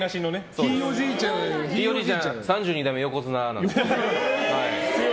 ひいおじいちゃん３２代目横綱なんです。